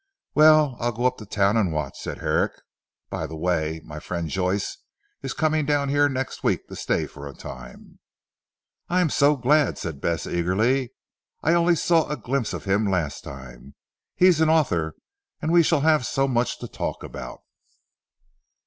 "Well, I'll go up to town and watch," said Herrick. "By the way, my friend Joyce is coming down here next week to stay for a time." "I am so glad," said Bess eagerly. "I saw only a glimpse of him last time. He is an author, and we shall have so much to talk about."